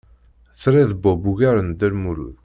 Triḍ Bob ugar n Dda Lmulud.